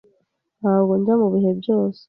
Ntabwo njya mubihe byose.